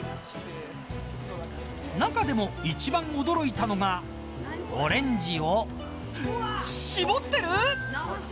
中でも一番驚いたのがオレンジを絞っている。